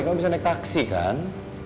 kalau bisa naik taksi kan